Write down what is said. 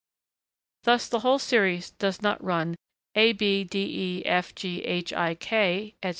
Thus the whole series does not run: a, b, d, e, f, g, h, i, k, &c.